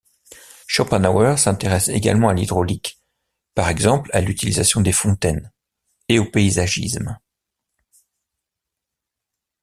Schopenhauer s'intéresse également à l'hydraulique, par exemple à l'utilisation des fontaines, et au paysagisme.